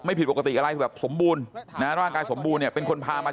ผิดปกติอะไรแบบสมบูรณ์นะร่างกายสมบูรณ์เนี่ยเป็นคนพามา